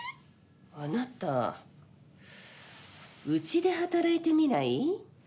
あなたうちで働いてみない？